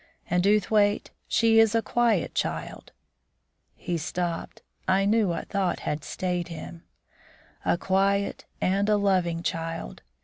And, Outhwaite, she is a quiet child, " he stopped I knew what thought had stayed him, "a quiet and a loving child.